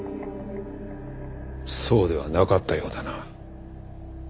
そうではなかったようだな。